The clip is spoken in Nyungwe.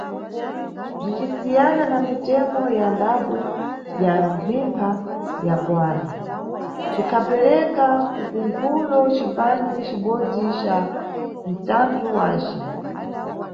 Bzicisiyana na mitemo ya dambwe ya mphimpha ya Goana, cikhaperekera ku ku mkulo cipande cibodzi ca mtantho wace.